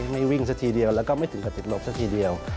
ไม่วิ่งสักทีเดียวแล้วก็ไม่ถึงกระติดหลบซะทีเดียว